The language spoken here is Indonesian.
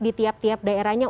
di tiap tiap daerahnya